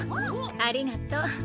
ありがとう。